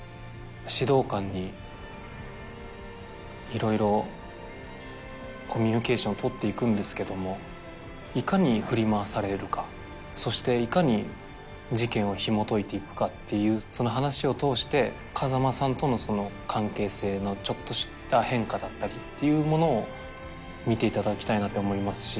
指導官に色々コミュニケーションを取っていくんですけどもいかに振り回されるかそしていかに事件をひもといていくかっていうその話を通して風間さんとの関係性のちょっとした変化だったりっていうものを見ていただきたいなって思いますし。